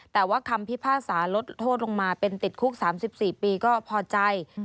แต่ว่าคำพิพากษาลดโทษลงมาเป็นติดคุก๓๔ปีก็พอใจ